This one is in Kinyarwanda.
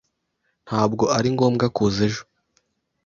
Ntabwo ari ngombwa kuza ejo.